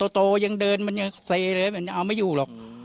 โตยังเดินมันยังเซเลยมันเอาไม่อยู่หรอก